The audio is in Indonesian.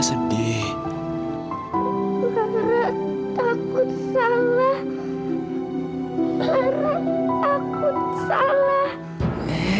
lara takut salah